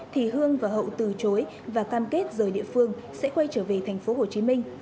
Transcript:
thì hương và hậu từ chối và cam kết rời địa phương sẽ quay trở về thành phố hồ chí minh